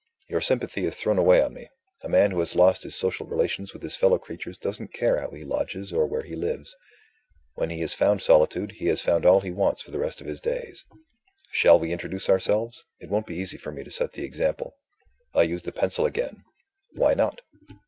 "Your sympathy is thrown away on me. A man who has lost his social relations with his fellow creatures doesn't care how he lodges or where he lives. When he has found solitude, he has found all he wants for the rest of his days. Shall we introduce ourselves? It won't be easy for me to set the example." I used the pencil again: "Why not?"